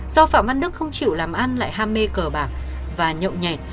do phạm văn đức không chịu làm ăn lại ham mê cờ bạc và nhậu nhẹt